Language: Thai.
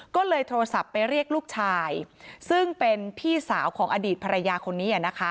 ก็เลยโทรศัพท์ไปเรียกลูกชายซึ่งเป็นพี่สาวของอดีตภรรยาคนนี้